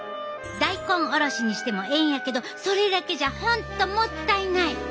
大根おろしにしてもええんやけどそれだけじゃ本当もったいない！